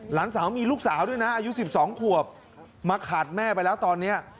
หลานสาวมีลูกสาวด้วยนะอายุ๑๒ขวบมาขาดแม่ไปแล้วตอนนี้